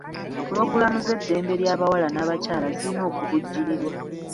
Pulogulaamu z'eddembe ly'abawala n'abakyala zirina okuvujjirirwa.